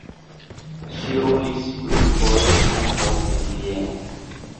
Ŝi rolis plurfoje ankaŭ en Vieno.